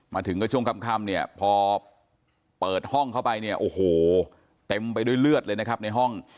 มาถึงก็ช่วงค่ำเนี่ยพอเปิดห้องเข้าไปเนี่ยโอ้โหเต็มไปด้วยเลือดเลยนะครับในห้อง